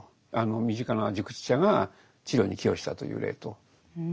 身近な熟知者が治療に寄与したという例と。